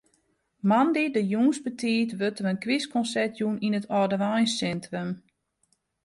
Moandei de jûns betiid wurdt der in krystkonsert jûn yn it âldereinsintrum.